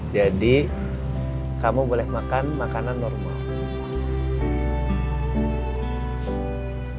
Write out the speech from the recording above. jadi kamu boleh makan makanan normal